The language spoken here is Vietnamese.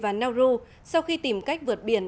và nauru sau khi tìm cách vượt biển